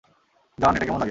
জন, এটা কেমন লাগে?